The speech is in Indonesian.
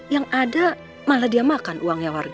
yang ada malah dia makan uang yang dia ambil